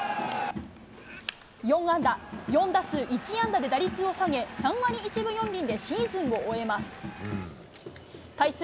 ４打数１安打で打率を下げ、３割１分４厘でシーズンを終えます。